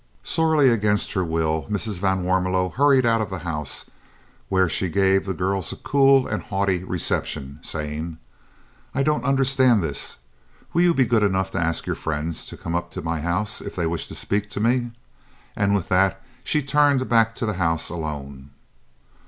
Sorely against her will Mrs. van Warmelo hurried out of the house, where she gave the girls a cool and haughty reception, saying: "I don't understand this. Will you be good enough to ask your friends to come up to my house if they wish to speak to me?" And with that she turned back to the house alone.